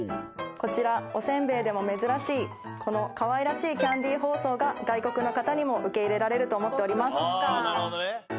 こちらこのかわいらしいキャンディ包装が外国の方にも受け入れられると思っております